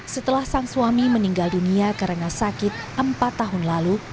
setelah sang suami meninggal dunia karena sakit empat tahun lalu